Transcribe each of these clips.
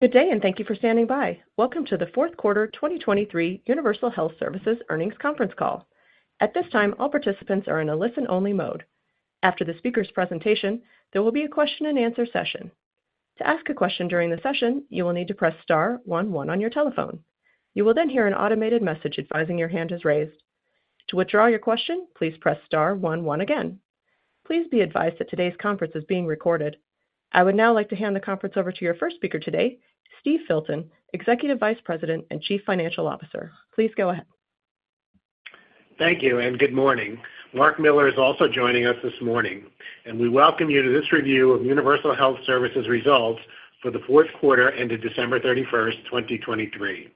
Good day, and thank you for standing by. Welcome to the fourth quarter 2023 Universal Health Services earnings conference call. At this time, all participants are in a listen-only mode. After the speaker's presentation, there will be a question-and-answer session. To ask a question during the session, you will need to press star one one on your telephone. You will then hear an automated message advising your hand is raised. To withdraw your question, please press star one one again. Please be advised that today's conference is being recorded. I would now like to hand the conference over to your first speaker today, Steve Filton, Executive Vice President and Chief Financial Officer. Please go ahead. Thank you, and good morning. Marc Miller is also joining us this morning, and we welcome you to this review of Universal Health Services results for the fourth quarter ended December 31st, 2023.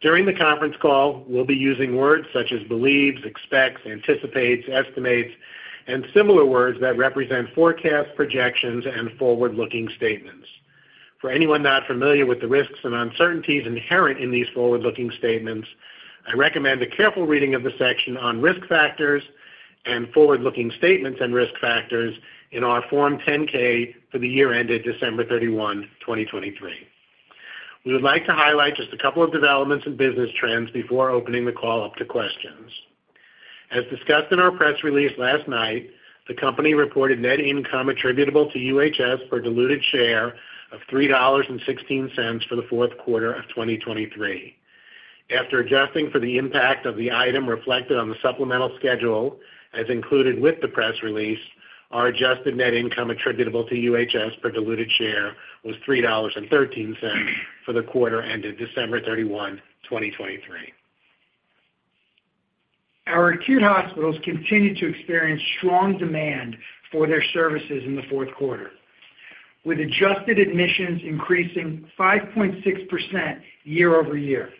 During the conference call, we'll be using words such as believes, expects, anticipates, estimates, and similar words that represent forecast projections and forward-looking statements. For anyone not familiar with the risks and uncertainties inherent in these forward-looking statements, I recommend a careful reading of the section on risk factors and forward-looking statements and risk factors in our Form 10-K for the year ended December 31, 2023. We would like to highlight just a couple of developments and business trends before opening the call up to questions. As discussed in our press release last night, the company reported net income attributable to UHS for diluted share of $3.16 for the fourth quarter of 2023. After adjusting for the impact of the item reflected on the supplemental schedule as included with the press release, our adjusted net income attributable to UHS per diluted share was $3.13 for the quarter ended December 31, 2023. Our acute hospitals continue to experience strong demand for their services in the fourth quarter, with adjusted admissions increasing 5.6% year-over-year.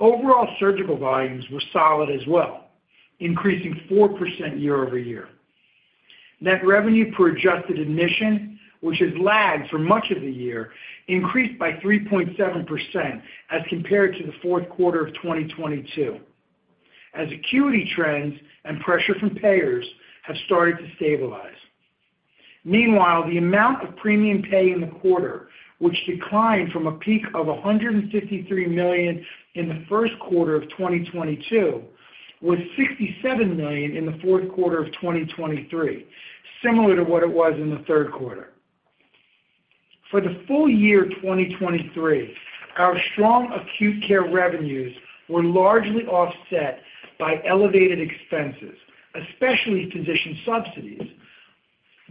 Overall surgical volumes were solid as well, increasing 4% year-over-year. Net revenue per adjusted admission, which has lagged for much of the year, increased by 3.7% as compared to the fourth quarter of 2022, as acuity trends and pressure from payers have started to stabilize. Meanwhile, the amount of premium pay in the quarter, which declined from a peak of $153 million in the first quarter of 2022, was $67 million in the fourth quarter of 2023, similar to what it was in the third quarter. For the full year 2023, our strong acute care revenues were largely offset by elevated expenses, especially physician subsidies,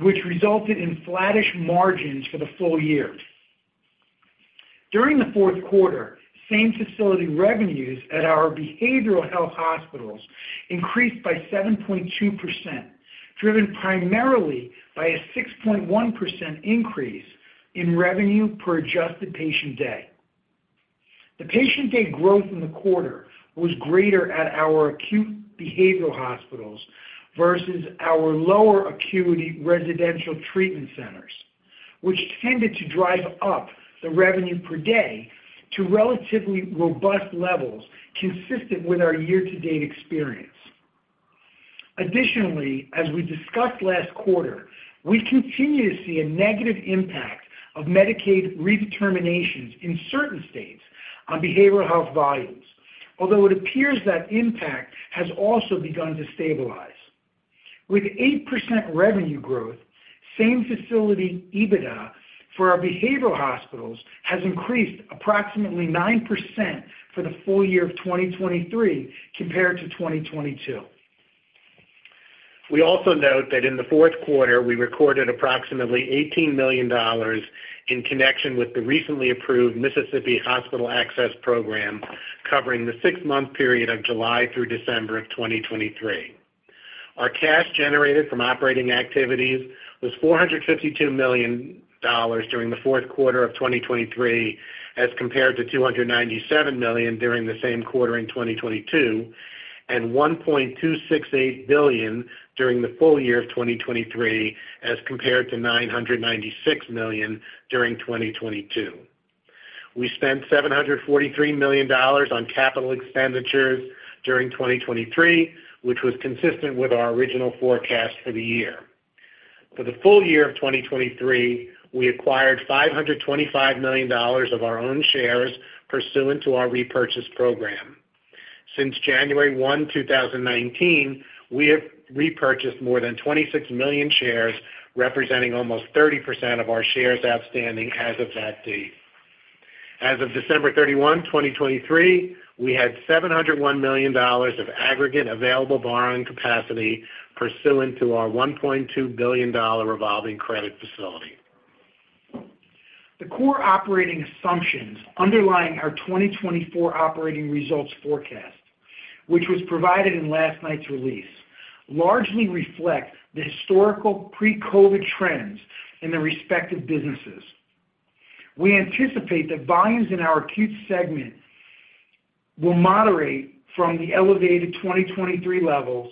which resulted in flat-ish margins for the full year. During the fourth quarter, same-facility revenues at our behavioral health hospitals increased by 7.2%, driven primarily by a 6.1% increase in revenue per adjusted patient day. The patient day growth in the quarter was greater at our acute behavioral hospitals versus our lower acuity residential treatment centers, which tended to drive up the revenue per day to relatively robust levels consistent with our year-to-date experience. Additionally, as we discussed last quarter, we continue to see a negative impact of Medicaid redeterminations in certain states on behavioral health volumes, although it appears that impact has also begun to stabilize. With 8% revenue growth, same-facility EBITDA for our behavioral hospitals has increased approximately 9% for the full year of 2023 compared to 2022. We also note that in the fourth quarter, we recorded approximately $18 million in connection with the recently approved Mississippi Hospital Access Program covering the six-month period of July through December of 2023. Our cash generated from operating activities was $452 million during the fourth quarter of 2023 as compared to $297 million during the same quarter in 2022, and $1.268 billion during the full year of 2023 as compared to $996 million during 2022. We spent $743 million on capital expenditures during 2023, which was consistent with our original forecast for the year. For the full year of 2023, we acquired $525 million of our own shares pursuant to our repurchase program. Since January 1, 2019, we have repurchased more than 26 million shares, representing almost 30% of our shares outstanding as of that date. As of December 31, 2023, we had $701 million of aggregate available borrowing capacity pursuant to our $1.2 billion revolving credit facility. The core operating assumptions underlying our 2024 operating results forecast, which was provided in last night's release, largely reflect the historical pre-COVID trends in the respective businesses. We anticipate that volumes in our acute segment will moderate from the elevated 2023 levels,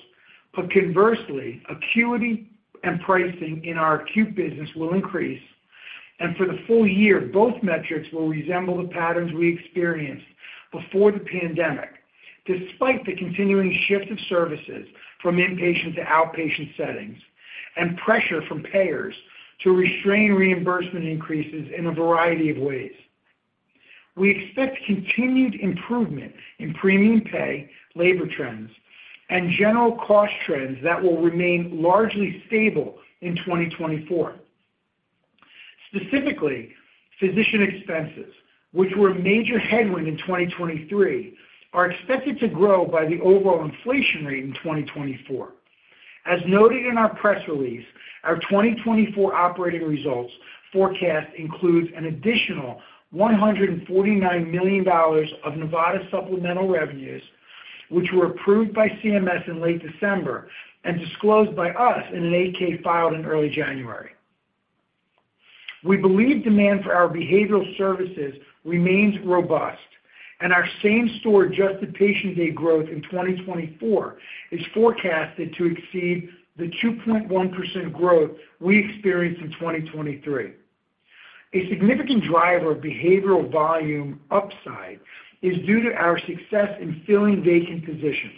but conversely, acuity and pricing in our acute business will increase. For the full year, both metrics will resemble the patterns we experienced before the pandemic, despite the continuing shift of services from inpatient to outpatient settings and pressure from payers to restrain reimbursement increases in a variety of ways. We expect continued improvement in premium pay, labor trends, and general cost trends that will remain largely stable in 2024. Specifically, physician expenses, which were a major headwind in 2023, are expected to grow by the overall inflation rate in 2024. As noted in our press release, our 2024 operating results forecast includes an additional $149 million of Nevada supplemental revenues, which were approved by CMS in late December and disclosed by us in an 8-K filed in early January. We believe demand for our behavioral services remains robust, and our same-store adjusted patient day growth in 2024 is forecasted to exceed the 2.1% growth we experienced in 2023. A significant driver of behavioral volume upside is due to our success in filling vacant positions,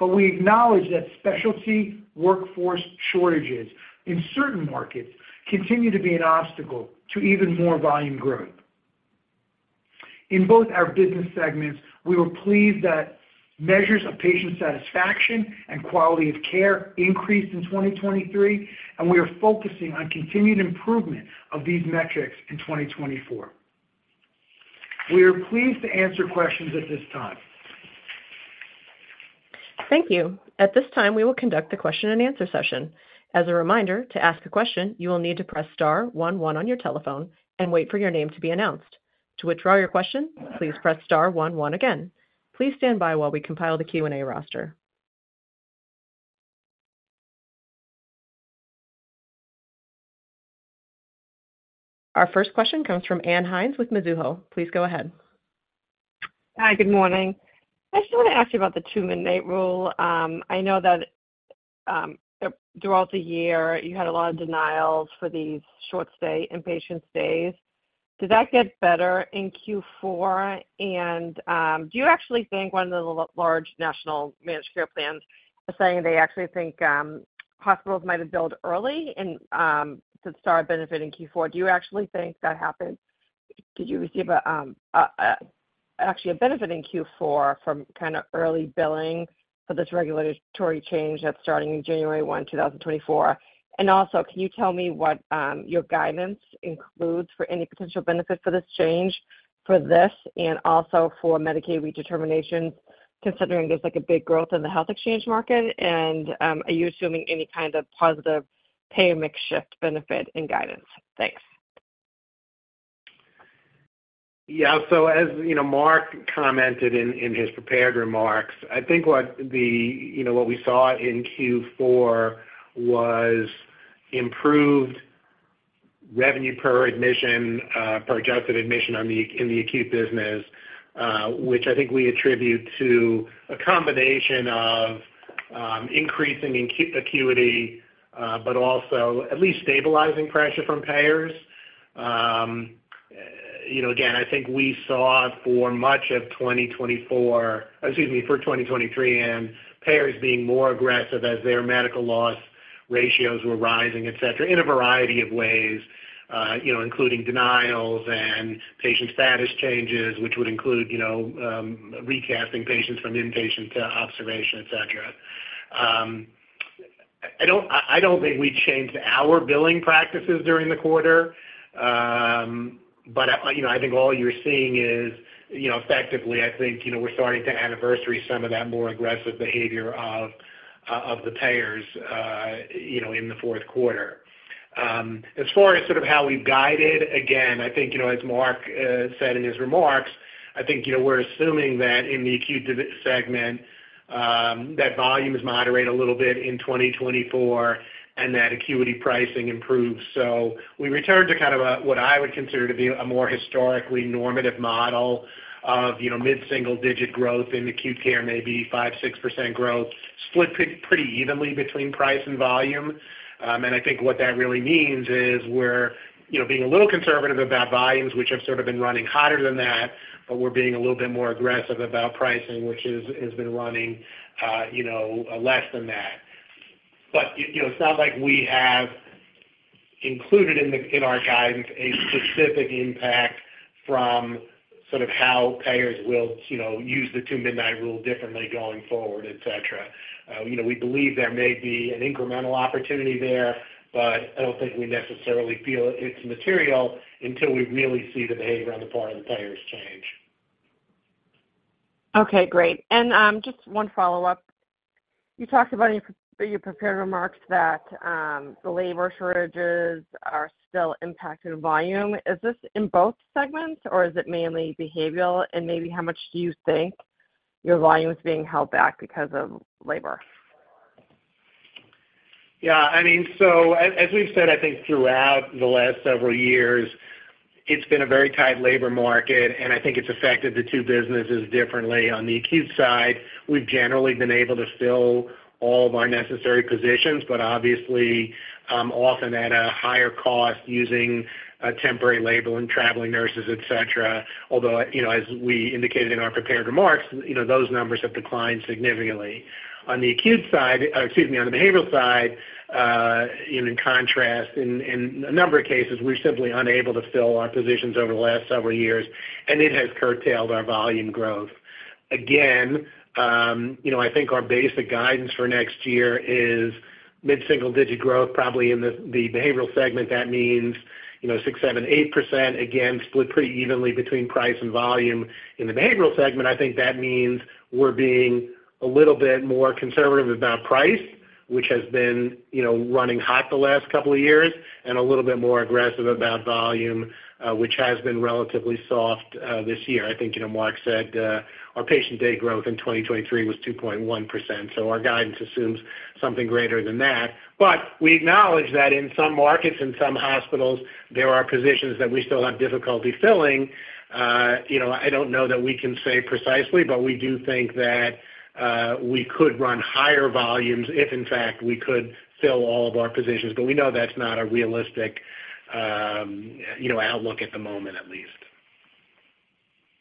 but we acknowledge that specialty workforce shortages in certain markets continue to be an obstacle to even more volume growth. In both our business segments, we were pleased that measures of patient satisfaction and quality of care increased in 2023, and we are focusing on continued improvement of these metrics in 2024. We are pleased to answer questions at this time. Thank you. At this time, we will conduct the question-and-answer session. As a reminder, to ask a question, you will need to press star one one on your telephone and wait for your name to be announced. To withdraw your question, please press star one one again. Please stand by while we compile the Q&A roster. Our first question comes from Ann Hynes with Mizuho. Please go ahead. Hi, good morning. I just want to ask you about the Two-Midnight Rule. I know that throughout the year, you had a lot of denials for these short-stay inpatient stays. Does that get better in Q4? And do you actually think one of the large national managed care plans is saying they actually think hospitals might have billed early to start benefiting Q4? Do you actually think that happened? Did you receive actually a benefit in Q4 from kind of early billing for this regulatory change that's starting on January 1, 2024? And also, can you tell me what your guidance includes for any potential benefit for this change, for this, and also for Medicaid redeterminations considering there's a big growth in the health exchange market? And are you assuming any kind of positive payer mix shift benefit in guidance? Thanks. Yeah. So as Marc commented in his prepared remarks, I think what we saw in Q4 was improved revenue per admission, per adjusted admission in the acute business, which I think we attribute to a combination of increasing acuity but also at least stabilizing pressure from payers. Again, I think we saw for much of 2024, excuse me, for 2023, payers being more aggressive as their medical loss ratios were rising, etc., in a variety of ways, including denials and patient status changes, which would include recasting patients from inpatient to observation, etc. I don't think we changed our billing practices during the quarter, but I think all you're seeing is effectively, I think we're starting to anniversary some of that more aggressive behavior of the payers in the fourth quarter. As far as sort of how we've guided, again, I think as Marc said in his remarks, I think we're assuming that in the acute segment, that volume is moderate a little bit in 2024 and that acuity pricing improves. So we returned to kind of what I would consider to be a more historically normative model of mid-single-digit growth in acute care, maybe 5%-6% growth, split pretty evenly between price and volume. And I think what that really means is we're being a little conservative about volumes, which have sort of been running hotter than that, but we're being a little bit more aggressive about pricing, which has been running less than that. But it's not like we have included in our guidance a specific impact from sort of how payers will use the two-midnight rule differently going forward, etc. We believe there may be an incremental opportunity there, but I don't think we necessarily feel it's material until we really see the behavior on the part of the payers change. Okay. Great. And just one follow-up. You talked about in your prepared remarks that the labor shortages are still impacting volume. Is this in both segments, or is it mainly behavioral? And maybe how much do you think your volume is being held back because of labor? Yeah. I mean, so as we've said, I think throughout the last several years, it's been a very tight labor market, and I think it's affected the two businesses differently. On the acute side, we've generally been able to fill all of our necessary positions, but obviously, often at a higher cost using temporary labor and traveling nurses, etc. Although, as we indicated in our prepared remarks, those numbers have declined significantly. On the acute side, excuse me, on the behavioral side, in contrast, in a number of cases, we're simply unable to fill our positions over the last several years, and it has curtailed our volume growth. Again, I think our basic guidance for next year is mid-single-digit growth. Probably in the behavioral segment, that means 6%, 7%, 8%. Again, split pretty evenly between price and volume. In the behavioral segment, I think that means we're being a little bit more conservative about price, which has been running hot the last couple of years, and a little bit more aggressive about volume, which has been relatively soft this year. I think Marc said our patient day growth in 2023 was 2.1%, so our guidance assumes something greater than that. But we acknowledge that in some markets, in some hospitals, there are positions that we still have difficulty filling. I don't know that we can say precisely, but we do think that we could run higher volumes if, in fact, we could fill all of our positions. But we know that's not a realistic outlook at the moment, at least.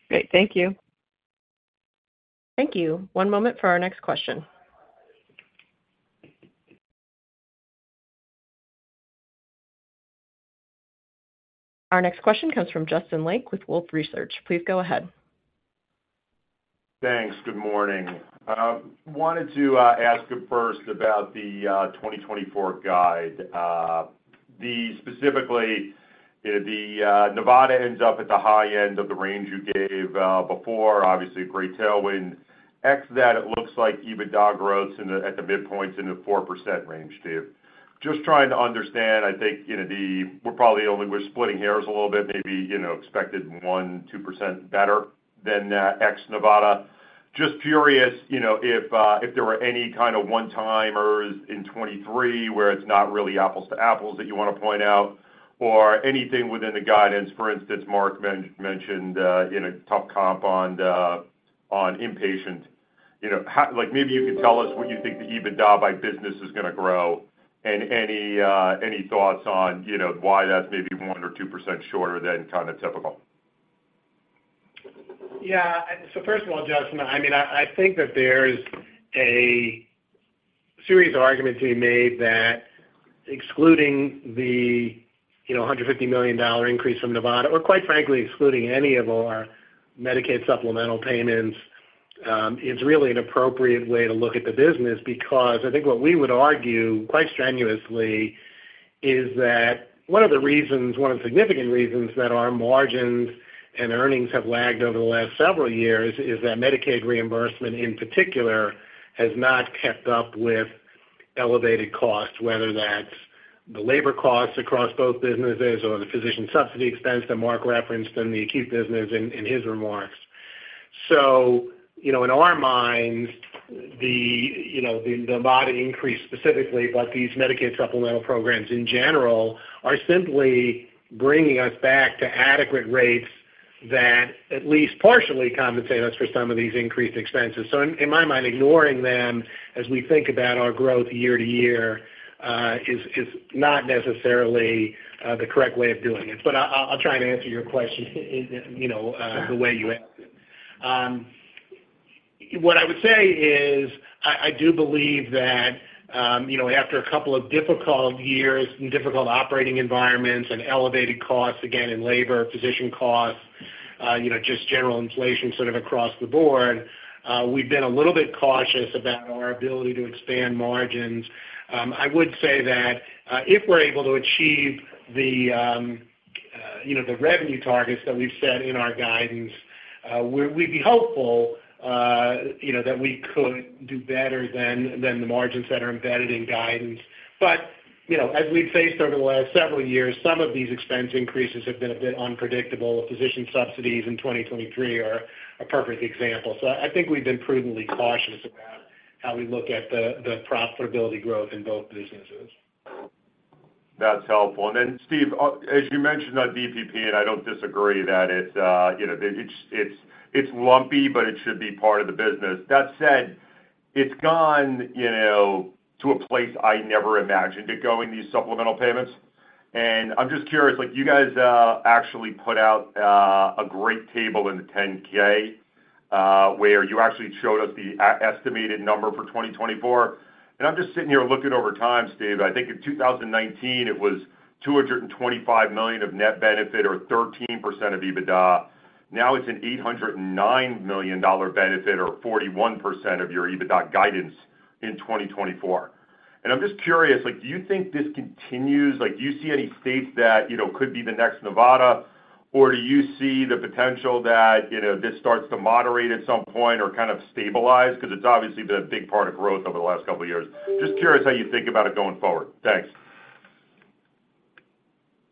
Great. Thank you. Thank you. One moment for our next question. Our next question comes from Justin Lake with Wolfe Research. Please go ahead. Thanks. Good morning. Wanted to ask first about the 2024 guide. Specifically, Nevada ends up at the high end of the range you gave before. Obviously, a great tailwind. Ex that, it looks like EBITDA growth's at the midpoint, it's in the 4% range, Steve. Just trying to understand, I think we're probably only splitting hairs a little bit, maybe expected 1%-2% better than that ex-Nevada. Just curious if there were any kind of one-timers in 2023 where it's not really apples to apples that you want to point out or anything within the guidance. For instance, Marc mentioned tough comp on inpatient. Maybe you could tell us what you think the EBITDA by business is going to grow and any thoughts on why that's maybe 1%-2% shorter than kind of typical. Yeah. So first of all, Justin, I mean, I think that there's a series of arguments being made that excluding the $150 million increase from Nevada, or quite frankly, excluding any of our Medicaid supplemental payments, it's really an appropriate way to look at the business because I think what we would argue quite strenuously is that one of the reasons, one of the significant reasons that our margins and earnings have lagged over the last several years is that Medicaid reimbursement, in particular, has not kept up with elevated costs, whether that's the labor costs across both businesses or the physician subsidy expense that Marc referenced in the acute business in his remarks. So in our minds, the Nevada increase specifically, but these Medicaid supplemental programs in general are simply bringing us back to adequate rates that at least partially compensate us for some of these increased expenses. So in my mind, ignoring them as we think about our growth year to year is not necessarily the correct way of doing it. But I'll try and answer your question the way you asked it. What I would say is I do believe that after a couple of difficult years and difficult operating environments and elevated costs, again, in labor, physician costs, just general inflation sort of across the board, we've been a little bit cautious about our ability to expand margins. I would say that if we're able to achieve the revenue targets that we've set in our guidance, we'd be hopeful that we could do better than the margins that are embedded in guidance. But as we've faced over the last several years, some of these expense increases have been a bit unpredictable. Physician subsidies in 2023 are a perfect example. I think we've been prudently cautious about how we look at the profitability growth in both businesses. That's helpful. Then, Steve, as you mentioned on DPP, and I don't disagree that it's lumpy, but it should be part of the business. That said, it's gone to a place I never imagined it going, these supplemental payments. I'm just curious, you guys actually put out a great table in the 10-K where you actually showed us the estimated number for 2024. I'm just sitting here looking over time, Steve. I think in 2019, it was $225 million of net benefit or 13% of EBITDA. Now it's an $809 million benefit or 41% of your EBITDA guidance in 2024. I'm just curious, do you think this continues? Do you see any states that could be the next Nevada, or do you see the potential that this starts to moderate at some point or kind of stabilize? Because it's obviously been a big part of growth over the last couple of years. Just curious how you think about it going forward. Thanks.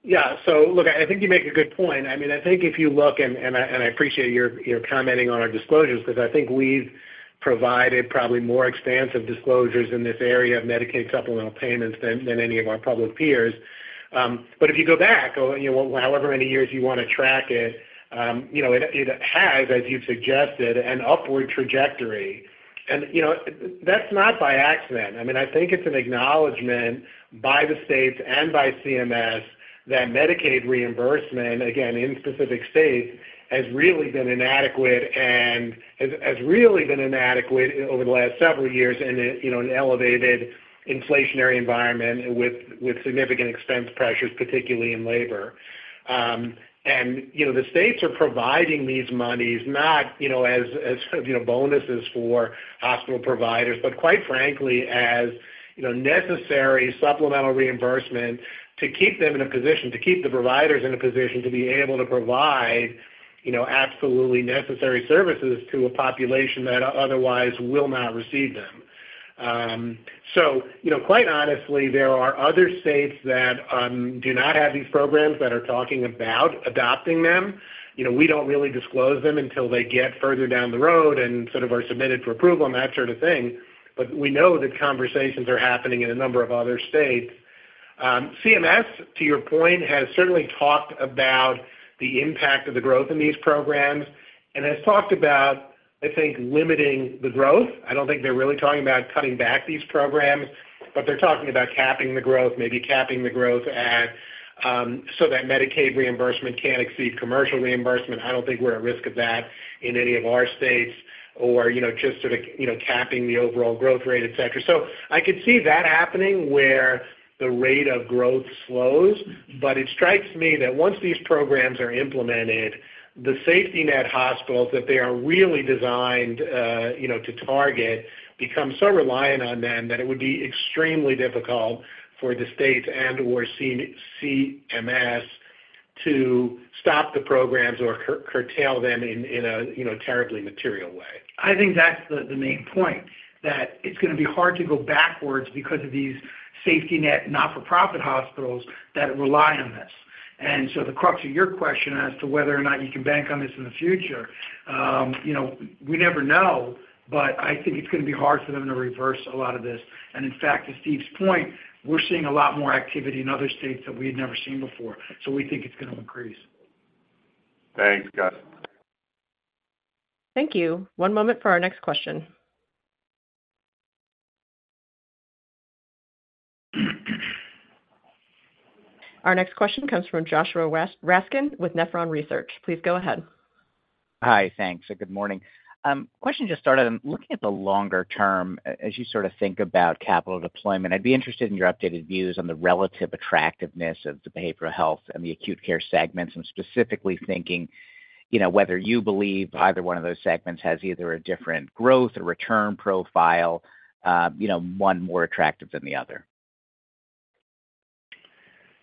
Yeah. So look, I think you make a good point. I mean, I think if you look and I appreciate your commenting on our disclosures because I think we've provided probably more expansive disclosures in this area of Medicaid supplemental payments than any of our public peers. But if you go back or however many years you want to track it, it has, as you've suggested, an upward trajectory. And that's not by accident. I mean, I think it's an acknowledgment by the states and by CMS that Medicaid reimbursement, again, in specific states, has really been inadequate and has really been inadequate over the last several years in an elevated inflationary environment with significant expense pressures, particularly in labor. And the states are providing these monies not as bonuses for hospital providers, but quite frankly, as necessary supplemental reimbursement to keep them in a position, to keep the providers in a position to be able to provide absolutely necessary services to a population that otherwise will not receive them. So quite honestly, there are other states that do not have these programs that are talking about adopting them. We don't really disclose them until they get further down the road and sort of are submitted for approval and that sort of thing. But we know that conversations are happening in a number of other states. CMS, to your point, has certainly talked about the impact of the growth in these programs and has talked about, I think, limiting the growth. I don't think they're really talking about cutting back these programs, but they're talking about capping the growth, maybe capping the growth so that Medicaid reimbursement can't exceed commercial reimbursement. I don't think we're at risk of that in any of our states or just sort of capping the overall growth rate, etc. So I could see that happening where the rate of growth slows. But it strikes me that once these programs are implemented, the safety net hospitals that they are really designed to target become so reliant on them that it would be extremely difficult for the states and/or CMS to stop the programs or curtail them in a terribly material way. I think that's the main point, that it's going to be hard to go backwards because of these safety net not-for-profit hospitals that rely on this. And so the crux of your question as to whether or not you can bank on this in the future, we never know. But I think it's going to be hard for them to reverse a lot of this. And in fact, to Steve's point, we're seeing a lot more activity in other states that we had never seen before. So we think it's going to increase. Thanks, guys. Thank you. One moment for our next question. Our next question comes from Joshua Raskin with Nephron Research. Please go ahead. Hi. Thanks. Good morning. Question just started. I'm looking at the longer term. As you sort of think about capital deployment, I'd be interested in your updated views on the relative attractiveness of the behavioral health and the acute care segments. I'm specifically thinking whether you believe either one of those segments has either a different growth or return profile, one more attractive than the other.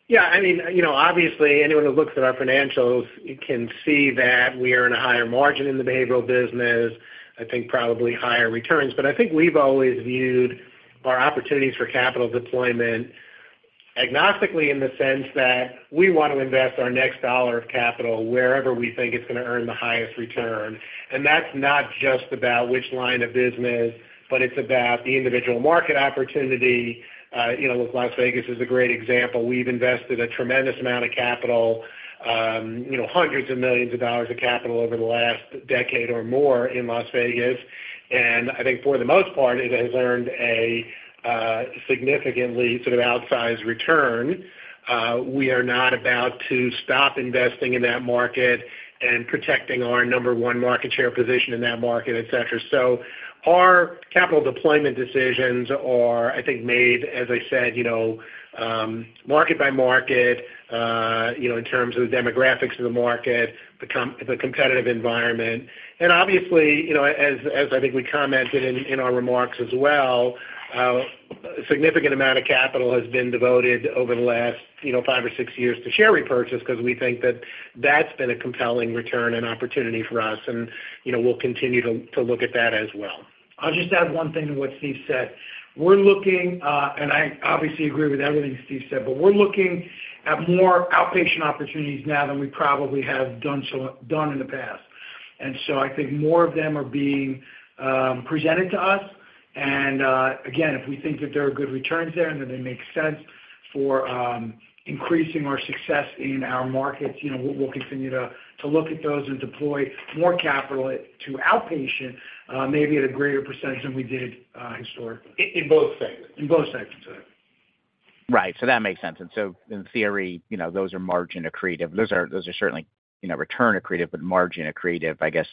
Yeah. I mean, obviously, anyone who looks at our financials can see that we are in a higher margin in the behavioral business, I think probably higher returns. But I think we've always viewed our opportunities for capital deployment agnostically in the sense that we want to invest our next dollar of capital wherever we think it's going to earn the highest return. And that's not just about which line of business, but it's about the individual market opportunity. Las Vegas is a great example. We've invested a tremendous amount of capital, hundreds of millions of dollars of capital over the last decade or more in Las Vegas. And I think for the most part, it has earned a significantly sort of outsized return. We are not about to stop investing in that market and protecting our number one market share position in that market, etc. Our capital deployment decisions are, I think, made, as I said, market by market in terms of the demographics of the market, the competitive environment. Obviously, as I think we commented in our remarks as well, a significant amount of capital has been devoted over the last five or six years to share repurchase because we think that that's been a compelling return and opportunity for us. We'll continue to look at that as well. I'll just add one thing to what Steve said. We're looking and I obviously agree with everything Steve said, but we're looking at more outpatient opportunities now than we probably have done in the past. And so I think more of them are being presented to us. And again, if we think that there are good returns there and that they make sense for increasing our success in our markets, we'll continue to look at those and deploy more capital to outpatient, maybe at a greater percentage than we did historically. In both segments. In both segments, yeah. Right. So that makes sense. And so in theory, those are margin accretive. Those are certainly return accretive, but margin accretive, I guess,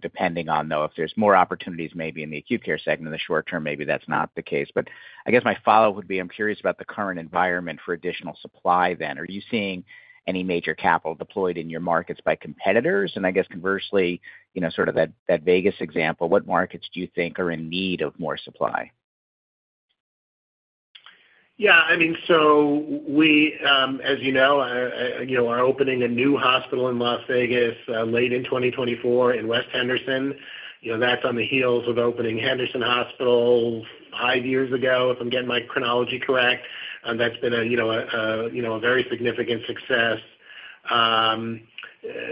depending on, though, if there's more opportunities maybe in the acute care segment in the short term, maybe that's not the case. But I guess my follow-up would be, I'm curious about the current environment for additional supply then. Are you seeing any major capital deployed in your markets by competitors? And I guess conversely, sort of that Vegas example, what markets do you think are in need of more supply? Yeah. I mean, so as you know, we're opening a new hospital in Las Vegas late in 2024 in West Henderson. That's on the heels of opening Henderson Hospital five years ago, if I'm getting my chronology correct. That's been a very significant success.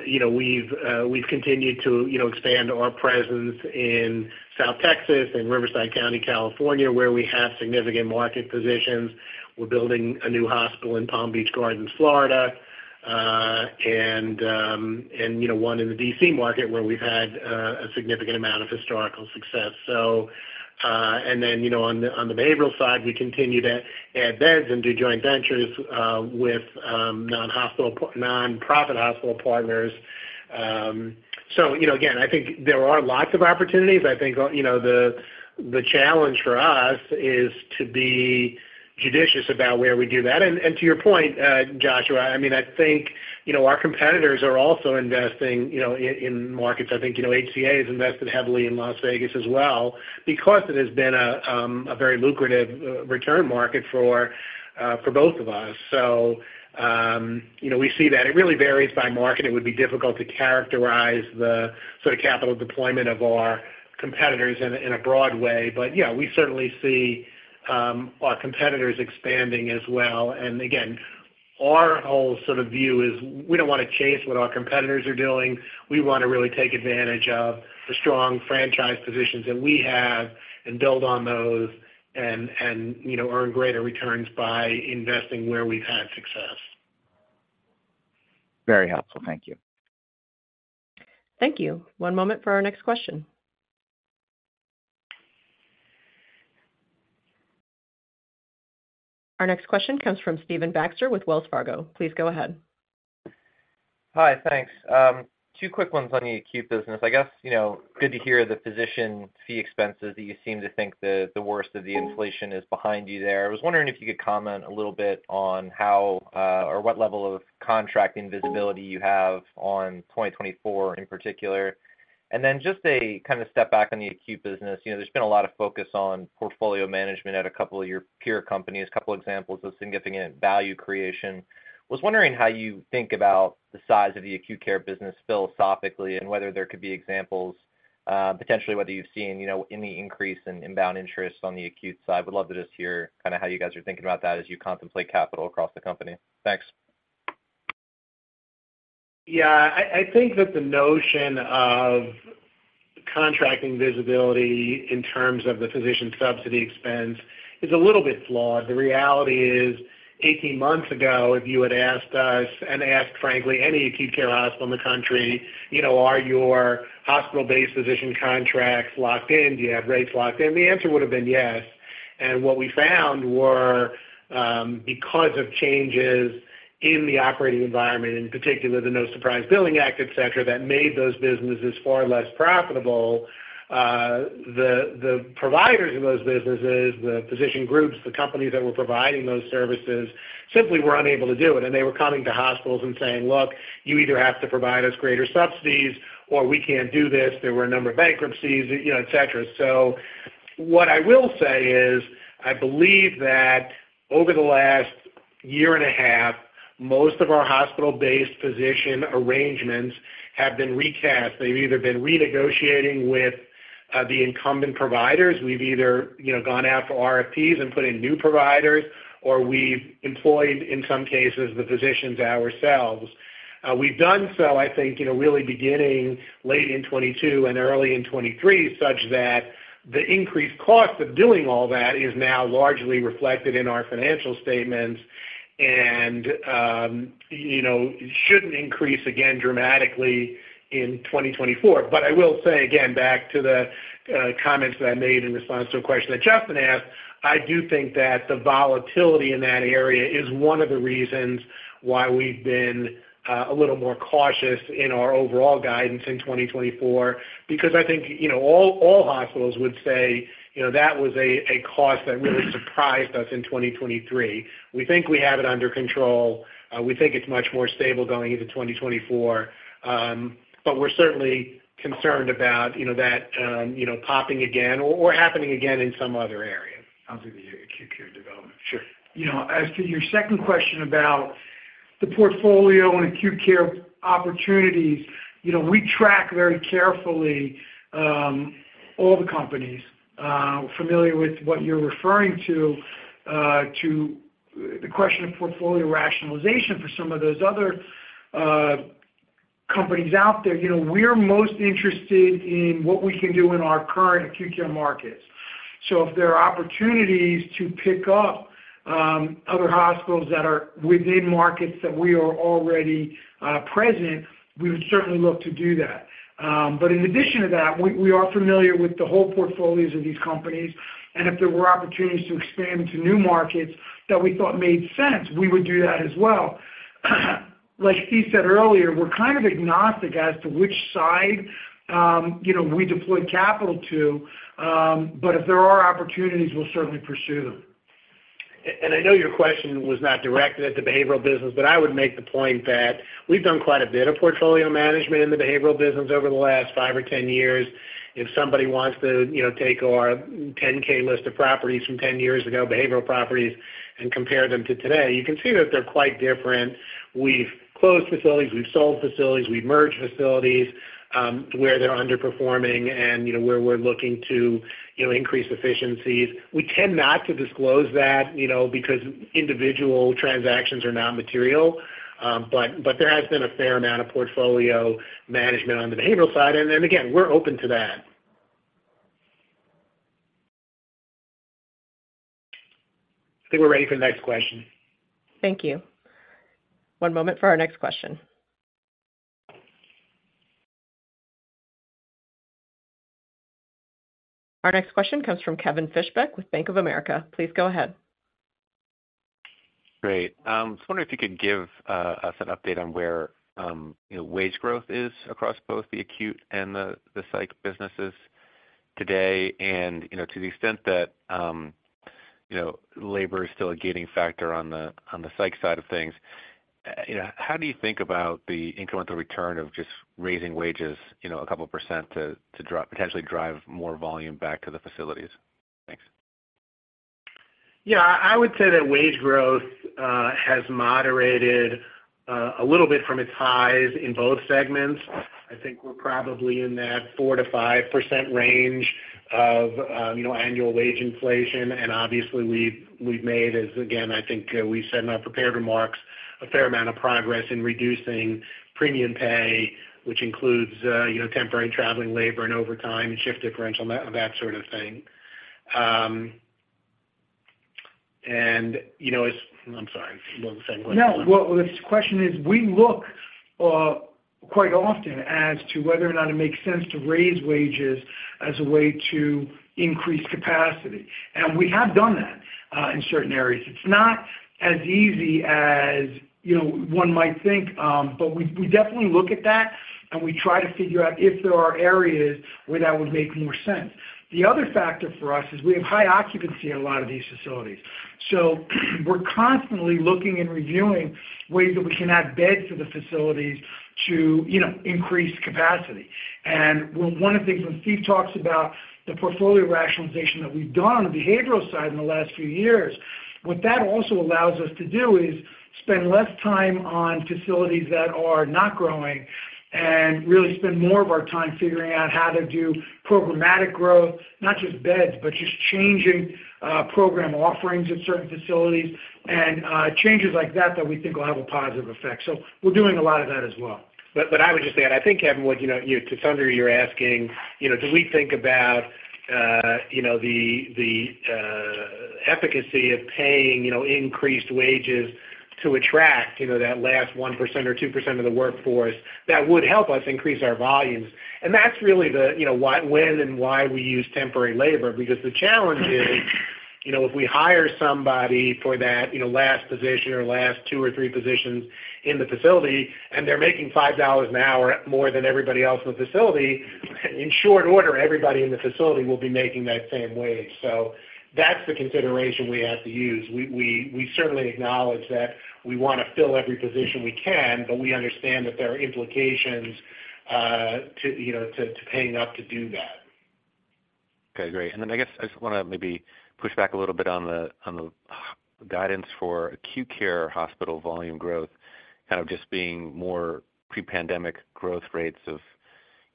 We've continued to expand our presence in South Texas and Riverside County, California, where we have significant market positions. We're building a new hospital in Palm Beach Gardens, Florida, and one in the D.C. market where we've had a significant amount of historical success. And then on the behavioral side, we continue to add beds and do joint ventures with nonprofit hospital partners. So again, I think there are lots of opportunities. I think the challenge for us is to be judicious about where we do that. And to your point, Joshua, I mean, I think our competitors are also investing in markets. I think HCA has invested heavily in Las Vegas as well because it has been a very lucrative return market for both of us. So we see that. It really varies by market. It would be difficult to characterize the sort of capital deployment of our competitors in a broad way. But yeah, we certainly see our competitors expanding as well. And again, our whole sort of view is we don't want to chase what our competitors are doing. We want to really take advantage of the strong franchise positions that we have and build on those and earn greater returns by investing where we've had success. Very helpful. Thank you. Thank you. One moment for our next question. Our next question comes from Stephen Baxter with Wells Fargo. Please go ahead. Hi. Thanks. Two quick ones on the acute business. I guess good to hear the physician fee expenses that you seem to think the worst of the inflation is behind you there. I was wondering if you could comment a little bit on how or what level of contract visibility you have on 2024 in particular. And then just to kind of step back on the acute business, there's been a lot of focus on portfolio management at a couple of your peer companies, a couple of examples of significant value creation. I was wondering how you think about the size of the acute care business philosophically and whether there could be examples, potentially whether you've seen any increase in inbound interest on the acute side. Would love to just hear kind of how you guys are thinking about that as you contemplate capital across the company. Thanks. Yeah. I think that the notion of contracting visibility in terms of the physician subsidy expense is a little bit flawed. The reality is, 18 months ago, if you had asked us and asked, frankly, any acute care hospital in the country, "Are your hospital-based physician contracts locked in? Do you have rates locked in?" the answer would have been yes. And what we found were, because of changes in the operating environment, in particular, the No Surprise Billing Act, etc., that made those businesses far less profitable, the providers of those businesses, the physician groups, the companies that were providing those services simply were unable to do it. And they were coming to hospitals and saying, "Look, you either have to provide us greater subsidies or we can't do this." There were a number of bankruptcies, etc. What I will say is I believe that over the last year and a half, most of our hospital-based physician arrangements have been recast. They've either been renegotiating with the incumbent providers. We've either gone out for RFPs and put in new providers, or we've employed, in some cases, the physicians ourselves. We've done so, I think, really beginning late in 2022 and early in 2023, such that the increased cost of doing all that is now largely reflected in our financial statements and shouldn't increase again dramatically in 2024. But I will say, again, back to the comments that I made in response to a question that Justin asked, I do think that the volatility in that area is one of the reasons why we've been a little more cautious in our overall guidance in 2024 because I think all hospitals would say that was a cost that really surprised us in 2023. We think we have it under control. We think it's much more stable going into 2024. But we're certainly concerned about that popping again or happening again in some other area. I'll do the acute care development. As to your second question about the portfolio and acute care opportunities, we track very carefully all the companies familiar with what you're referring to, to the question of portfolio rationalization for some of those other companies out there, we're most interested in what we can do in our current acute care markets. If there are opportunities to pick up other hospitals that are within markets that we are already present, we would certainly look to do that. In addition to that, we are familiar with the whole portfolios of these companies. If there were opportunities to expand into new markets that we thought made sense, we would do that as well. Like Steve said earlier, we're kind of agnostic as to which side we deploy capital to. If there are opportunities, we'll certainly pursue them. I know your question was not directed at the behavioral business, but I would make the point that we've done quite a bit of portfolio management in the behavioral business over the last five or 10 years. If somebody wants to take our 10-K list of properties from 10 years ago, behavioral properties, and compare them to today, you can see that they're quite different. We've closed facilities. We've sold facilities. We've merged facilities where they're underperforming and where we're looking to increase efficiencies. We tend not to disclose that because individual transactions are not material. But there has been a fair amount of portfolio management on the behavioral side. And again, we're open to that. I think we're ready for the next question. Thank you. One moment for our next question. Our next question comes from Kevin Fischbeck with Bank of America. Please go ahead. Great. I was wondering if you could give us an update on where wage growth is across both the acute and the psych businesses today. To the extent that labor is still a gating factor on the psych side of things, how do you think about the incremental return of just raising wages a couple of percent to potentially drive more volume back to the facilities? Thanks. Yeah. I would say that wage growth has moderated a little bit from its highs in both segments. I think we're probably in that 4%-5% range of annual wage inflation. And obviously, we've made, as again, I think we said in our prepared remarks, a fair amount of progress in reducing premium pay, which includes temporary traveling labor and overtime and shift differential and that sort of thing. And I'm sorry. Was it the same question? No. Well, the question is, we look quite often as to whether or not it makes sense to raise wages as a way to increase capacity. And we have done that in certain areas. It's not as easy as one might think, but we definitely look at that, and we try to figure out if there are areas where that would make more sense. The other factor for us is we have high occupancy at a lot of these facilities. So we're constantly looking and reviewing ways that we can add beds to the facilities to increase capacity. One of the things, when Steve talks about the portfolio rationalization that we've done on the behavioral side in the last few years, what that also allows us to do is spend less time on facilities that are not growing and really spend more of our time figuring out how to do programmatic growth, not just beds, but just changing program offerings at certain facilities and changes like that that we think will have a positive effect. So we're doing a lot of that as well. But I would just add, I think, Kevin, to some degree, you're asking, "Do we think about the efficacy of paying increased wages to attract that last 1% or 2% of the workforce that would help us increase our volumes?" And that's really when and why we use temporary labor because the challenge is if we hire somebody for that last position or last two or three positions in the facility and they're making $5 an hour more than everybody else in the facility, in short order, everybody in the facility will be making that same wage. So that's the consideration we have to use. We certainly acknowledge that we want to fill every position we can, but we understand that there are implications to paying up to do that. Okay. Great. Then I guess I just want to maybe push back a little bit on the guidance for acute care hospital volume growth, kind of just being more pre-pandemic growth rates of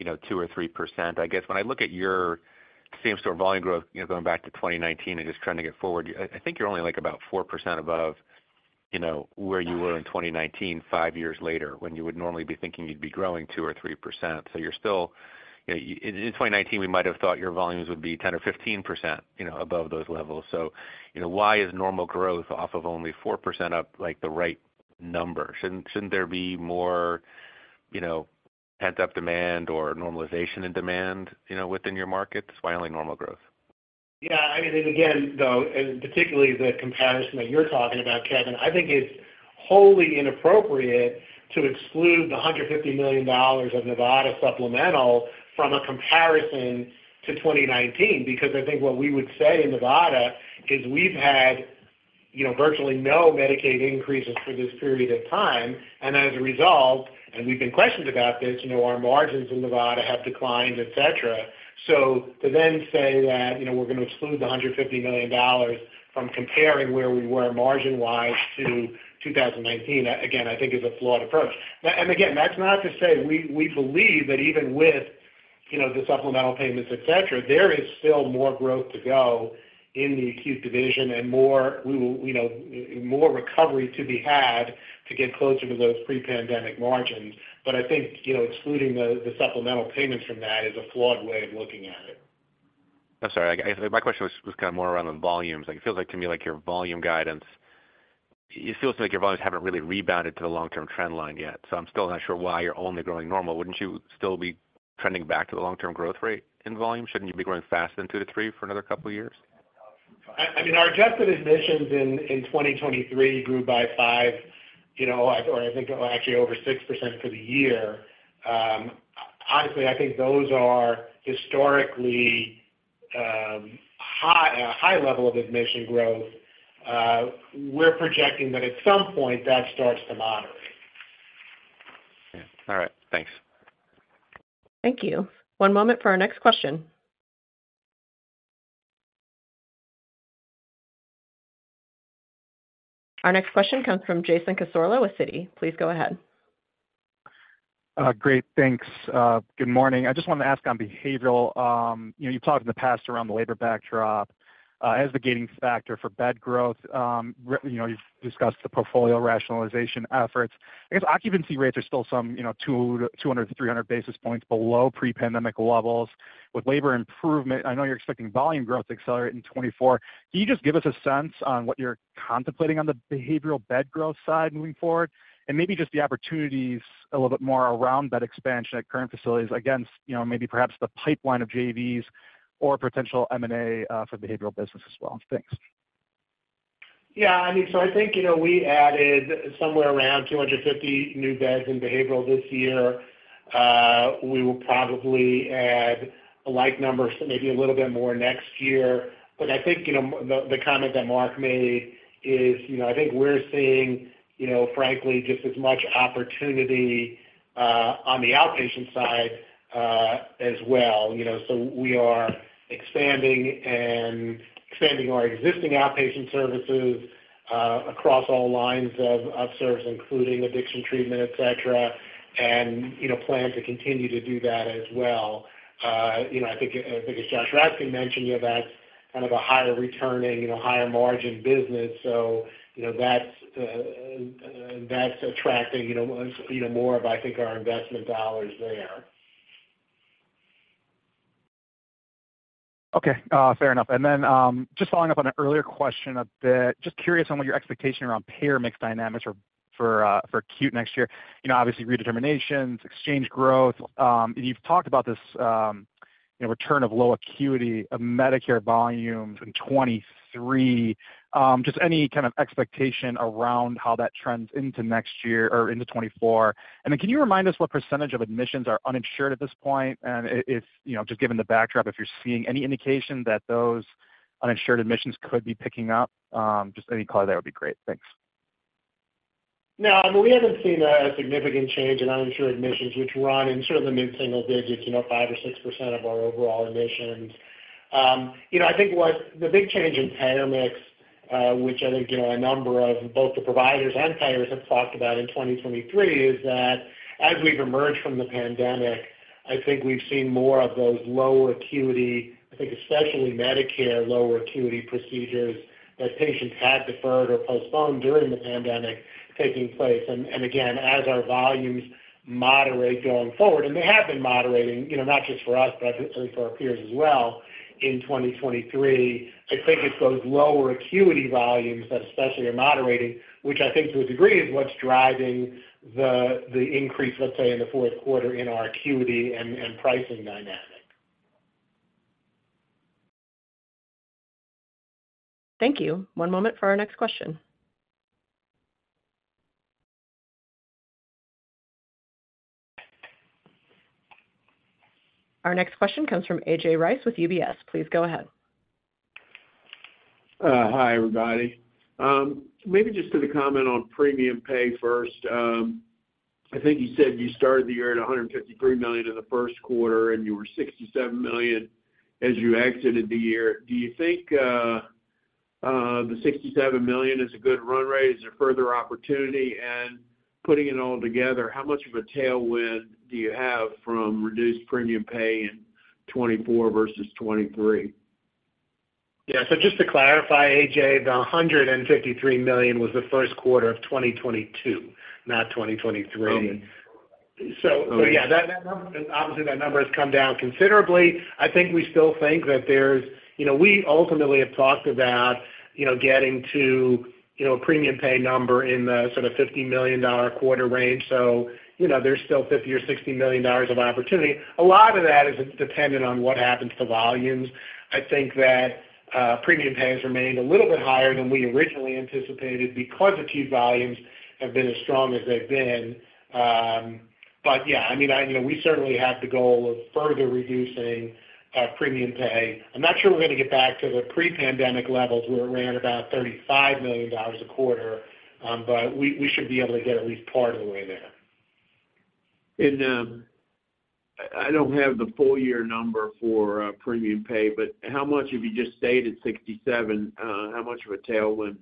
2% or 3%. I guess when I look at your same-store volume growth going back to 2019 and just trying to get forward, I think you're only about 4% above where you were in 2019 five years later when you would normally be thinking you'd be growing 2% or 3%. So you're still in 2019, we might have thought your volumes would be 10% or 15% above those levels. So why is normal growth off of only 4% up the right number? Shouldn't there be more pent-up demand or normalization in demand within your markets? Why only normal growth? Yeah. I mean, and again, though, and particularly the comparison that you're talking about, Kevin, I think it's wholly inappropriate to exclude the $150 million of Nevada supplemental from a comparison to 2019 because I think what we would say in Nevada is we've had virtually no Medicaid increases for this period of time. And as a result, and we've been questioned about this, our margins in Nevada have declined, etc. So to then say that we're going to exclude the $150 million from comparing where we were margin-wise to 2019, again, I think is a flawed approach. And again, that's not to say we believe that even with the supplemental payments, etc., there is still more growth to go in the acute division and more recovery to be had to get closer to those pre-pandemic margins. But I think excluding the supplemental payments from that is a flawed way of looking at it. I'm sorry. My question was kind of more around the volumes. It feels like to me like your volume guidance. It feels to me like your volumes haven't really rebounded to the long-term trend line yet. So I'm still not sure why you're only growing normal. Wouldn't you still be trending back to the long-term growth rate in volume? Shouldn't you be growing faster than 2%-3% for another couple of years? I mean, our adjusted admissions in 2023 grew by 5% or I think actually over 6% for the year. Honestly, I think those are historically high level of admission growth. We're projecting that at some point, that starts to moderate. Yeah. All right. Thanks. Thank you. One moment for our next question. Our next question comes from Jason Cassorla with Citi. Please go ahead. Great. Thanks. Good morning. I just wanted to ask on behavioral. You've talked in the past around the labor backdrop as the gating factor for bed growth. You've discussed the portfolio rationalization efforts. I guess occupancy rates are still some 200-300 basis points below pre-pandemic levels. With labor improvement, I know you're expecting volume growth to accelerate in 2024. Can you just give us a sense on what you're contemplating on the behavioral bed growth side moving forward and maybe just the opportunities a little bit more around that expansion at current facilities against maybe perhaps the pipeline of JVs or potential M&A for behavioral business as well? Thanks. Yeah. I mean, so I think we added somewhere around 250 new beds in behavioral this year. We will probably add a like number, maybe a little bit more next year. But I think the comment that Mark made is I think we're seeing, frankly, just as much opportunity on the outpatient side as well. So we are expanding our existing outpatient services across all lines of service, including addiction treatment, etc., and plan to continue to do that as well. I think, as Josh Raskin mentioned, that's kind of a higher-returning, higher-margin business. So that's attracting more of, I think, our investment dollars there. Okay. Fair enough. Then just following up on an earlier question a bit, just curious on what your expectation around payer mix dynamics for acute next year. Obviously, redeterminations, exchange growth. You've talked about this return of low acuity of Medicare volumes in 2023. Just any kind of expectation around how that trends into next year or into 2024? And then can you remind us what percentage of admissions are uninsured at this point? And just given the backdrop, if you're seeing any indication that those uninsured admissions could be picking up, just any color there would be great. Thanks. No. I mean, we haven't seen a significant change in uninsured admissions, which run in sort of the mid-single digits, 5% or 6% of our overall admissions. I think the big change in payer mix, which I think a number of both the providers and payers have talked about in 2023, is that as we've emerged from the pandemic, I think we've seen more of those lower acuity, I think especially Medicare lower acuity procedures that patients had deferred or postponed during the pandemic taking place. And again, as our volumes moderate going forward, and they have been moderating not just for us, but I think for our peers as well in 2023, I think it's those lower acuity volumes that especially are moderating, which I think to a degree is what's driving the increase, let's say, in the fourth quarter in our acuity and pricing dynamic. Thank you. One moment for our next question. Our next question comes from A.J. Rice with UBS. Please go ahead. Hi, everybody. Maybe just to comment on premium pay first. I think you said you started the year at $153 million in the first quarter, and you were $67 million as you exited the year. Do you think the $67 million is a good run rate? Is there further opportunity? Putting it all together, how much of a tailwind do you have from reduced premium pay in 2024 versus 2023? Yeah. So just to clarify, AJ, the $153 million was the first quarter of 2022, not 2023. So yeah, obviously, that number has come down considerably. I think we still think that there's we ultimately have talked about getting to a premium pay number in the sort of $50 million quarter range. So there's still $50 million or $60 million of opportunity. A lot of that is dependent on what happens to volumes. I think that premium pay has remained a little bit higher than we originally anticipated because acute volumes have been as strong as they've been. But yeah, I mean, we certainly have the goal of further reducing premium pay. I'm not sure we're going to get back to the pre-pandemic levels where it ran about $35 million a quarter, but we should be able to get at least part of the way there. I don't have the full-year number for premium pay, but how much if you just stayed at 67, how much of a tailwind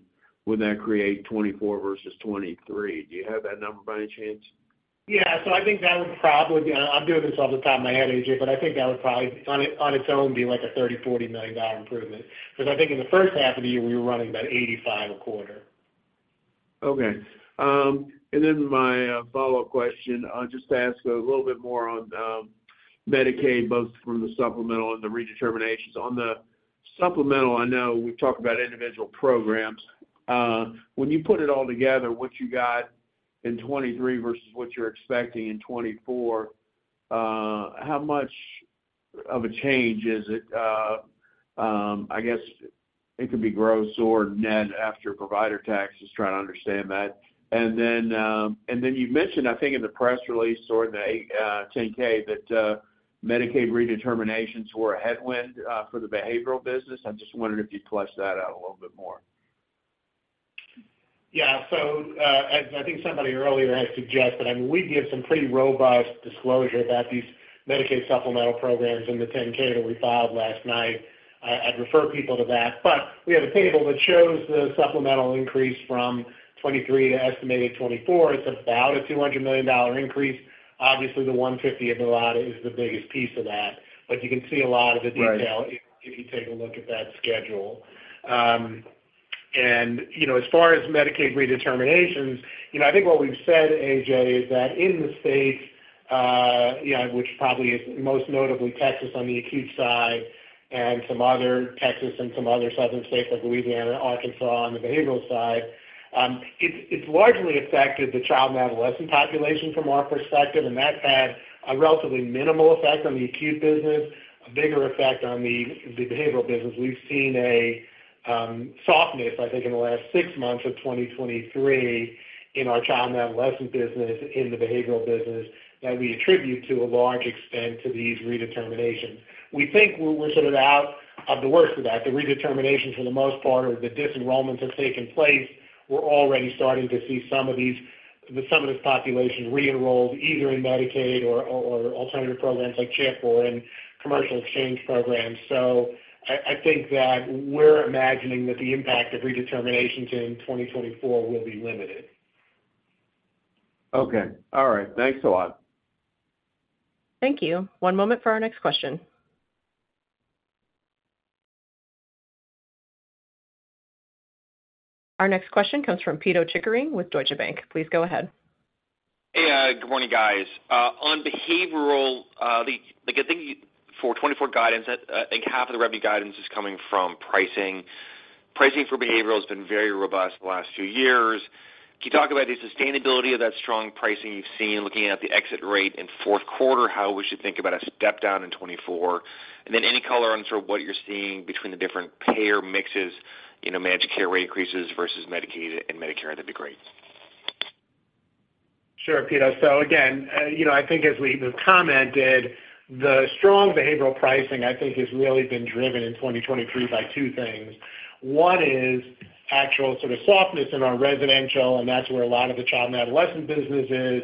would that create 2024 versus 2023? Do you have that number by any chance? Yeah. So I think that would probably be, I'm doing this off the top of my head, AJ, but I think that would probably on its own be a $30 million-$40 million improvement because I think in the first half of the year, we were running about $85 a quarter. Okay. And then my follow-up question, just to ask a little bit more on Medicaid, both from the supplemental and the redeterminations. On the supplemental, I know we've talked about individual programs. When you put it all together, what you got in 2023 versus what you're expecting in 2024, how much of a change is it? I guess it could be gross or net after provider tax, just trying to understand that. And then you mentioned, I think, in the press release or in the 10-K that Medicaid redeterminations were a headwind for the behavioral business. I just wondered if you'd flesh that out a little bit more. Yeah. So as I think somebody earlier had suggested, I mean, we give some pretty robust disclosure about these Medicaid supplemental programs in the 10-K that we filed last night. I'd refer people to that. But we have a table that shows the supplemental increase from 2023 to estimated 2024. It's about a $200 million increase. Obviously, the $150 million of Nevada is the biggest piece of that. But you can see a lot of the detail if you take a look at that schedule. And as far as Medicaid redeterminations, I think what we've said, AJ, is that in the states, which probably is most notably Texas on the acute side and some other Texas and some other southern states like Louisiana and Arkansas on the behavioral side, it's largely affected the child and adolescent population from our perspective. And that's had a relatively minimal effect on the acute business, a bigger effect on the behavioral business. We've seen a softness, I think, in the last six months of 2023 in our child and adolescent business in the behavioral business that we attribute to a large extent to these redeterminations. We think we're sort of out of the worst of that. The redeterminations, for the most part, or the disenrollments have taken place. We're already starting to see some of this population re-enrolled either in Medicaid or alternative programs like CHIP or in commercial exchange programs. So I think that we're imagining that the impact of redeterminations in 2024 will be limited. Okay. All right. Thanks a lot. Thank you. One moment for our next question. Our next question comes from Pito Chickering with Deutsche Bank. Please go ahead. Hey. Good morning, guys. On behavioral, I think for 2024 guidance, I think half of the revenue guidance is coming from pricing. Pricing for behavioral has been very robust the last few years. Can you talk about the sustainability of that strong pricing you've seen looking at the exit rate in fourth quarter, how we should think about a step down in 2024? And then any color on sort of what you're seeing between the different payer mixes, managed care rate increases versus Medicaid and Medicare, that'd be great. Sure, Pito. So again, I think as we've commented, the strong behavioral pricing, I think, has really been driven in 2023 by two things. One is actual sort of softness in our residential, and that's where a lot of the child and adolescent business is.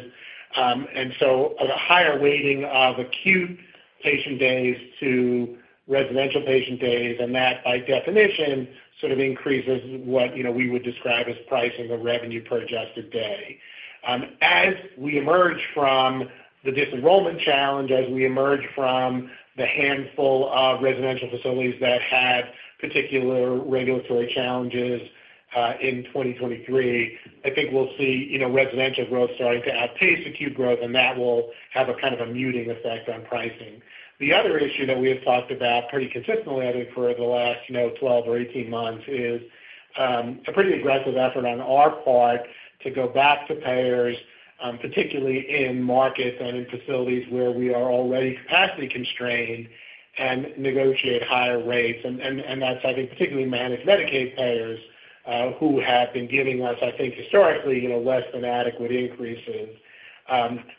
And so a higher weighting of acute patient days to residential patient days, and that, by definition, sort of increases what we would describe as pricing the revenue per adjusted day. As we emerge from the disenrollment challenge, as we emerge from the handful of residential facilities that had particular regulatory challenges in 2023, I think we'll see residential growth starting to outpace acute growth, and that will have a kind of a muting effect on pricing. The other issue that we have talked about pretty consistently, I think, for the last 12 or 18 months is a pretty aggressive effort on our part to go back to payers, particularly in markets and in facilities where we are already capacity constrained, and negotiate higher rates. And that's, I think, particularly managed Medicaid payers who have been giving us, I think, historically less than adequate increases.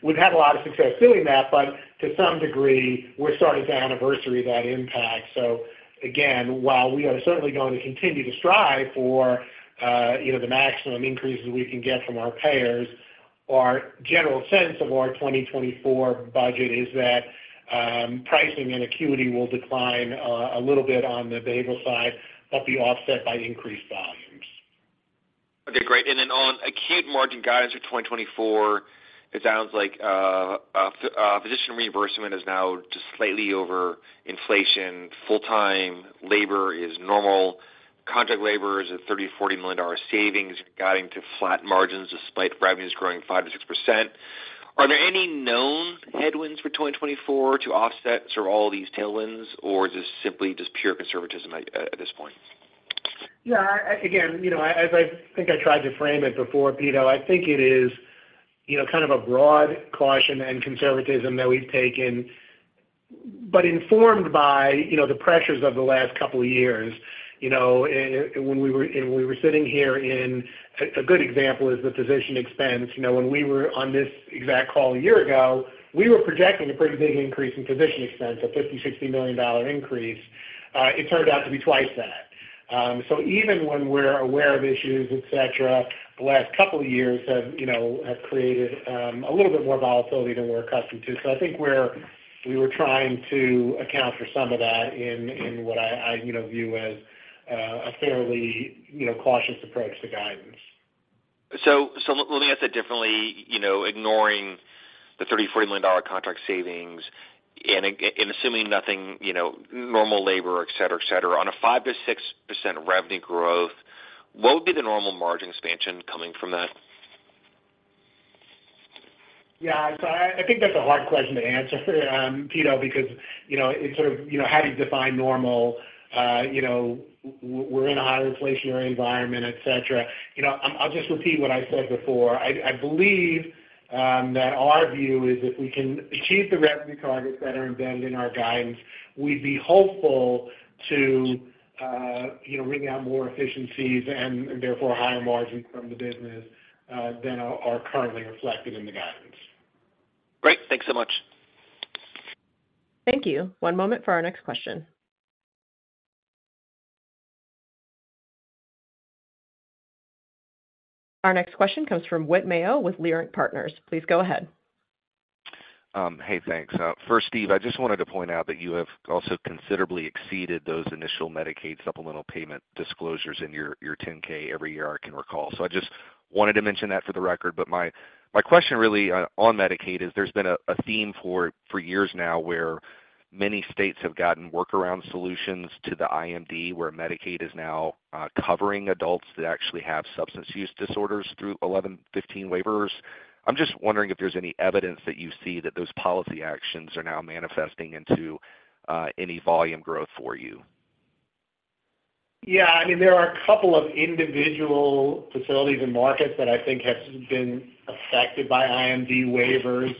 We've had a lot of success doing that, but to some degree, we're starting to anniversary that impact. So again, while we are certainly going to continue to strive for the maximum increases we can get from our payers, our general sense of our 2024 budget is that pricing and acuity will decline a little bit on the behavioral side but be offset by increased volumes. Okay. Great. And then on acute margin guidance for 2024, it sounds like physician reimbursement is now just slightly over inflation. Full-time labor is normal. Contract labor is at $30 million-$40 million savings. You're getting to flat margins despite revenues growing 5%-6%. Are there any known headwinds for 2024 to offset sort of all these tailwinds, or is this simply just pure conservatism at this point? Yeah. Again, as I think I tried to frame it before, Pete, I think it is kind of a broad caution and conservatism that we've taken but informed by the pressures of the last couple of years. And when we were sitting here, a good example is the physician expense. When we were on this exact call a year ago, we were projecting a pretty big increase in physician expense, a $50 million-$60 million increase. It turned out to be twice that. So even when we're aware of issues, etc., the last couple of years have created a little bit more volatility than we're accustomed to. So I think we were trying to account for some of that in what I view as a fairly cautious approach to guidance. So looking at that differently, ignoring the $30 million-$40 million contract savings and assuming nothing, normal labor, etc., etc., on a 5%-6% revenue growth, what would be the normal margin expansion coming from that? Yeah. So I think that's a hard question to answer, Pete, because it's sort of how do you define normal? We're in a higher inflationary environment, etc. I'll just repeat what I said before. I believe that our view is if we can achieve the revenue targets that are embedded in our guidance, we'd be hopeful to wring out more efficiencies and therefore higher margins from the business than are currently reflected in the guidance. Great. Thanks so much. Thank you. One moment for our next question. Our next question comes from Whit Mayo with Leerink Partners. Please go ahead. Hey. Thanks. First, Steve, I just wanted to point out that you have also considerably exceeded those initial Medicaid supplemental payment disclosures in your 10-K every year I can recall. So I just wanted to mention that for the record. But my question really on Medicaid is there's been a theme for years now where many states have gotten workaround solutions to the IMD, where Medicaid is now covering adults that actually have substance use disorders through 1115 waivers. I'm just wondering if there's any evidence that you see that those policy actions are now manifesting into any volume growth for you. Yeah. I mean, there are a couple of individual facilities and markets that I think have been affected by IMD waivers.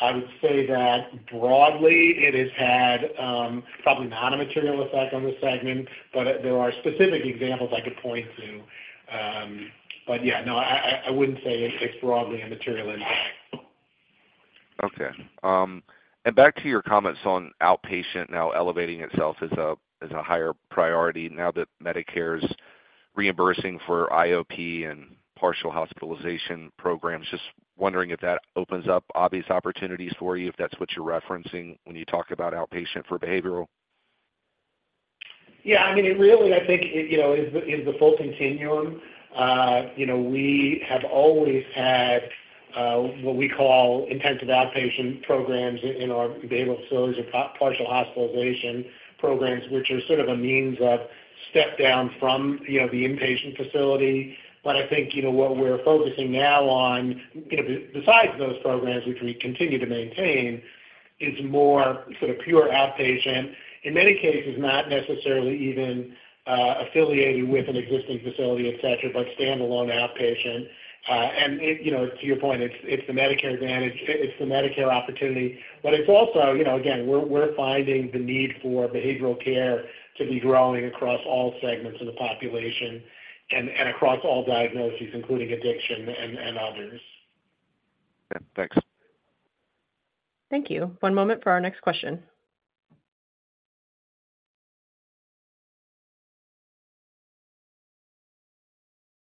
I would say that broadly, it has had probably not a material effect on this segment, but there are specific examples I could point to. But yeah, no, I wouldn't say it's broadly a material impact. Okay. Back to your comments on outpatient now elevating itself as a higher priority now that Medicare's reimbursing for IOP and partial hospitalization programs, just wondering if that opens up obvious opportunities for you, if that's what you're referencing when you talk about outpatient for behavioral? Yeah. I mean, it really, I think, is the full continuum. We have always had what we call intensive outpatient programs in our behavioral facilities or partial hospitalization programs, which are sort of a means of step down from the inpatient facility. But I think what we're focusing now on, besides those programs, which we continue to maintain, is more sort of pure outpatient, in many cases, not necessarily even affiliated with an existing facility, etc., but standalone outpatient. And to your point, it's the Medicare Advantage. It's the Medicare opportunity. But it's also, again, we're finding the need for behavioral care to be growing across all segments of the population and across all diagnoses, including addiction and others. Yeah. Thanks. Thank you. One moment for our next question.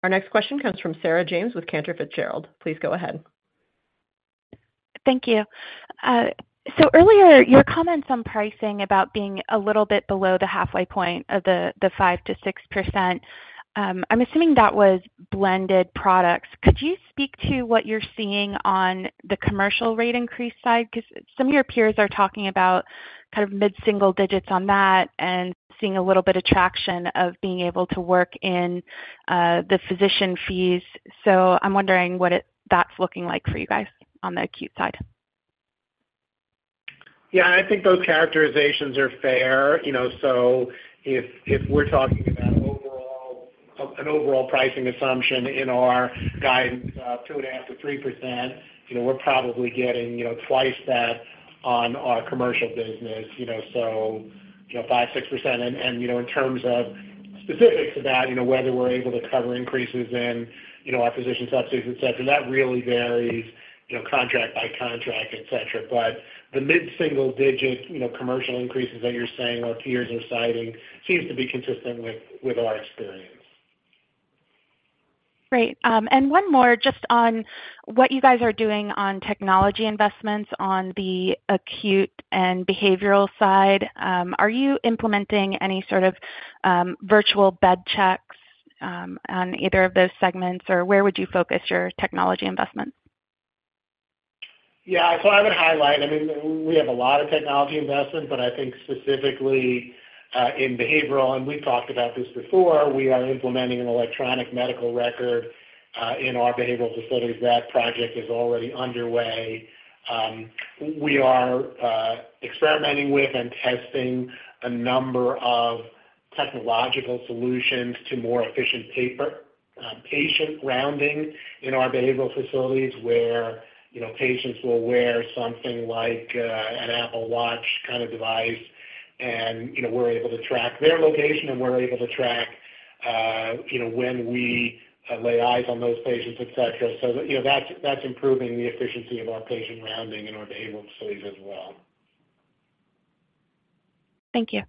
Our next question comes from Sarah James with Cantor Fitzgerald. Please go ahead. Thank you. So earlier, your comments on pricing about being a little bit below the halfway point of the 5%-6%, I'm assuming that was blended products. Could you speak to what you're seeing on the commercial rate increase side? Because some of your peers are talking about kind of mid-single digits on that and seeing a little bit of traction of being able to work in the physician fees. So I'm wondering what that's looking like for you guys on the acute side. Yeah. I think those characterizations are fair. So if we're talking about an overall pricing assumption in our guidance of 2.5%-3%, we're probably getting twice that on our commercial business, so 5%-6%. And in terms of specifics about whether we're able to cover increases in our physician subsidies, etc., that really varies contract by contract, etc. But the mid-single digit commercial increases that you're saying our peers are citing seems to be consistent with our experience. Great. And one more, just on what you guys are doing on technology investments on the acute and behavioral side, are you implementing any sort of virtual bed checks on either of those segments, or where would you focus your technology investments? Yeah. So I would highlight, I mean, we have a lot of technology investment, but I think specifically in behavioral—and we've talked about this before—we are implementing an electronic medical record in our behavioral facilities. That project is already underway. We are experimenting with and testing a number of technological solutions to more efficient patient rounding in our behavioral facilities where patients will wear something like an Apple Watch kind of device, and we're able to track their location, and we're able to track when we lay eyes on those patients, etc. So that's improving the efficiency of our patient rounding in our behavioral facilities as well. Thank you.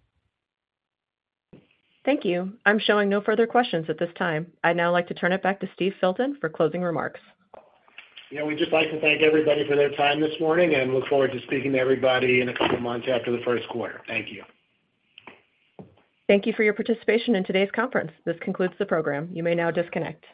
Thank you. I'm showing no further questions at this time. I'd now like to turn it back to Steve Filton for closing remarks. Yeah. We'd just like to thank everybody for their time this morning and look forward to speaking to everybody in a couple of months after the first quarter. Thank you. Thank you for your participation in today's conference. This concludes the program. You may now disconnect.